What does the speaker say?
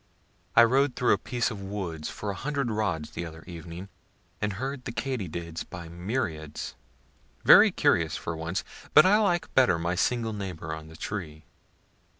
I rode through a piece of woods for a hundred rods the other evening, and heard the katydids by myriads very curious for once; but I like better my single neighbor on the tree.